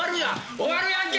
終わるやんけ！